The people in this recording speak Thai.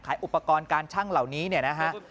ขายอุปกรณ์การชั่งเหล่านี้นะครับ